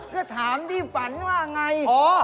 ก็ถามพี่ฝันว่าอย่างไร